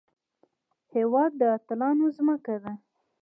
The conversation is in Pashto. هېواد د اتلانو ځمکه ده